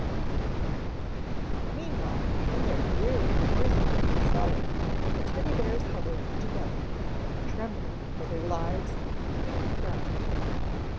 Meanwhile in their dreary prison in the cellar the Teddy bears huddled together, trembling for their lives in the inky darkness.